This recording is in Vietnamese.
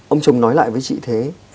ông chồng nói lại với chị thế